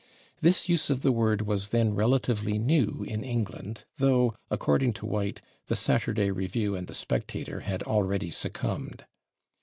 This use of the word was then relatively new in England, though, according to White, the /Saturday Review/ and the /Spectator/ had already succumbed.